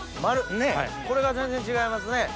これが全然違いますね。